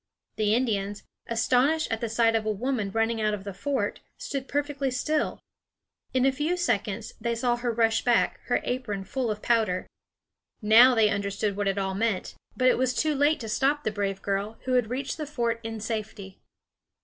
The Indians, astonished at the sight of a woman running out of the fort, stood perfectly still. In a few seconds they saw her rush back, her apron full of powder. Now they understood what it all meant; but it was too late to stop the brave girl, who had reached the fort in safety.